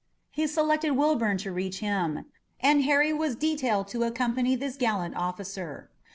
He selected Wilbourn to reach him, and Harry was detailed to accompany that gallant officer.